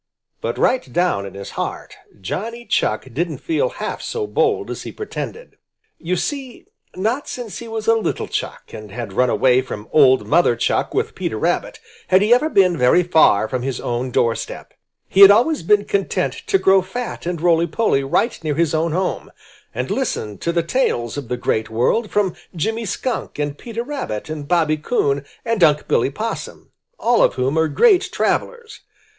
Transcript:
But right down in his heart Johnny Chuck didn't feel half so bold as he pretended. You see, not since he was a little Chuck and had run away from old Mother Chuck with Peter Rabbit, had he ever been very far from his own door step. He had always been content to grow fat and roly poly right near his own home, and listen to the tales of the great world from Jimmy Skunk and Peter Rabbit and Bobby Coon and Unc' Billy Possum, all of whom are great travelers.